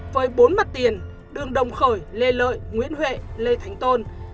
với bốn mặt tiền đường đồng khởi lê lợi nguyễn huệ lê thánh tôn